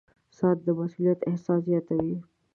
• ساعت د مسؤولیت احساس زیاتوي.